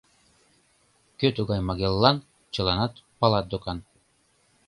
Кӧ тугай Магеллан — чыланат палат докан.